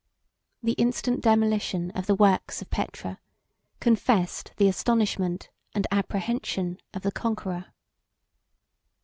The instant demolition of the works of Petra confessed the astonishment and apprehension of the conqueror.